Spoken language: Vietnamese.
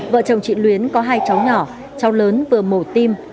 vợ chồng chị luyến có hai cháu nhỏ cháu lớn vừa mổ tim